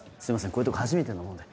こういうとこ初めてなもので。